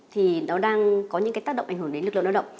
thì nó đang có những cái tác động ảnh hưởng đến lực lượng lao động